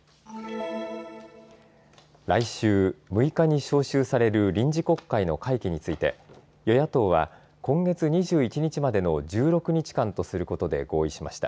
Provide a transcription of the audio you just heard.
来週、６日に召集される臨時国会の会期について与野党は今月２１日までの１６日間とすることで合意しました。